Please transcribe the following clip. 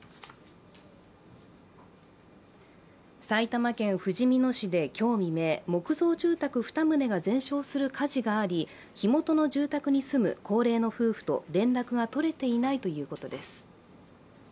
埼玉県ふじみ野市で今日未明、木造住宅２棟が全焼する火事があり火元の住宅に住む高齢の夫婦と連絡が取れていないということです。